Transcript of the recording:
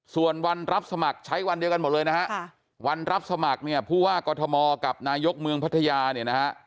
ส่วนวันรับสมัครใช้วันเดียวกันหมดเลยนะฮะวันรับสมัครเนี่ยผู้ว่ากอทมกับนายกเมืองพัทยาเนี่ยนะฮะ